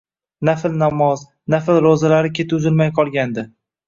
Nafl namoz, nafl roʻzalarni keti uzilmay qolgandi...